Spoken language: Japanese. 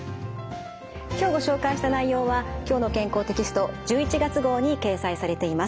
今日ご紹介した内容は「きょうの健康」テキスト１１月号に掲載されています。